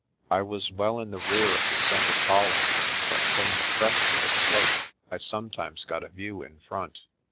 I was well in the rear of the centre column, but from the crest of a slope I some times got a view in front.